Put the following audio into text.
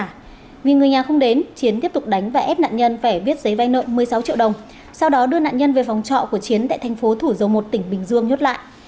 vì người nhà không đến chiến tiếp tục đánh và ép nạn nhân phải viết giấy vay nợ một mươi sáu triệu đồng sau đó đưa nạn nhân về phòng trọ của chiến tại thành phố thủ dầu một tỉnh bình dương nhốt lại